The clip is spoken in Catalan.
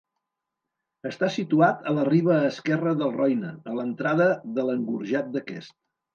Està situat a la riba esquerra del Roine, a l'entrada de l'engorjat d'aquest.